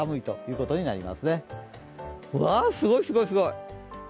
うわ、すごい、すごい、すごい。